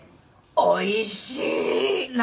「おいしい！」何？